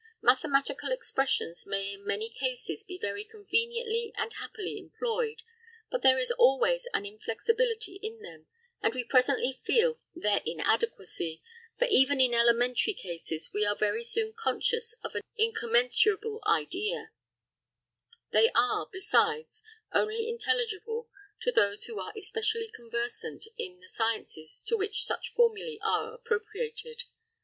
Mathematical expressions may in many cases be very conveniently and happily employed, but there is always an inflexibility in them, and we presently feel their inadequacy; for even in elementary cases we are very soon conscious of an incommensurable idea; they are, besides, only intelligible to those who are especially conversant in the sciences to which such formulæ are appropriated.